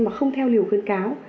mà không theo liều khuyến cáo